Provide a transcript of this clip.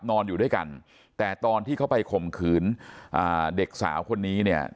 นอนอยู่ด้วยกันแต่ตอนที่เขาไปข่มขืนอ่าเด็กสาวคนนี้เนี่ย